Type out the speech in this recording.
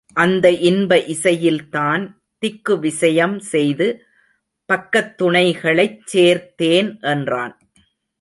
அந்த இன்ப இசையில்தான் திக்கு விசயம் செய்து பக்கத் துணைகளைச் சேர்த்தேன் என்றான்.